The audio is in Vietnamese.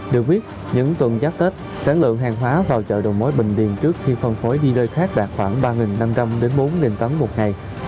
được biết những tuần giá tết sản lượng hàng hóa vào chợ đầu mối bình điền trước khi phân phối đi nơi khác đạt khoảng ba năm trăm linh bốn tấn một ngày